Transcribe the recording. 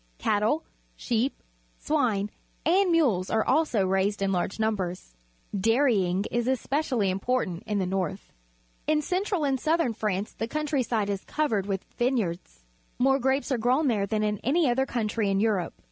Cattle, sheep, swine, and mules are also raised in large numbers. I)airyiag;_is_especially important in the north. In central and southern France the coimtrj'side is covered with ^'ineyards. More grapes are grown there than in any other count rj^ in Europe.